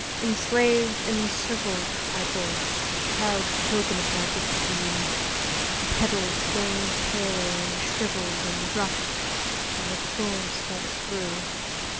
Enslaved and encircled, I bore it, Proud token of my gift to you. The petals waned paler, and shriveled, And dropped; and the thorns started through.